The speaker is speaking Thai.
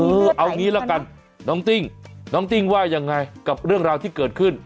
เอางี้ละกันน้องติ้งน้องติ้งว่ายังไงกับเรื่องราวที่เกิดขึ้น